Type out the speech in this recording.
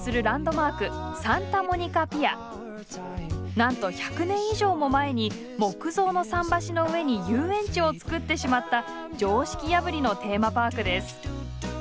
なんと１００年以上も前に木造の桟橋の上に遊園地を作ってしまった常識破りのテーマパークです。